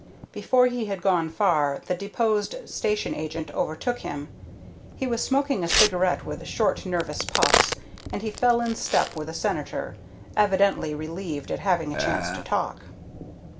Before he had gone far the deposed station agent overtook him. He was smoking a cigarette with short, nervous puffs, and he fell in step with the Senator, evidently relieved at having a chance to talk.